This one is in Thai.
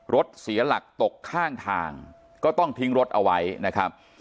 รถเสียหลักตกข้างทางก็ต้องทิ้งรถเอาไว้นะครับ